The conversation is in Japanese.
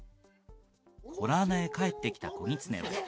洞穴へ帰ってきた子ギツネは。